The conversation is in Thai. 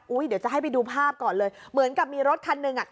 เดี๋ยวจะให้ไปดูภาพก่อนเลยเหมือนกับมีรถคันหนึ่งอ่ะ